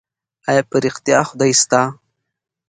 ايا په رښتيا خدای سته؟